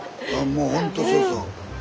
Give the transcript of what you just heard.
もうほんとそうそう。